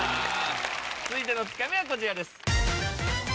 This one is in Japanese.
続いてのツカミはこちらです。